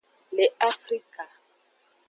Le afrka.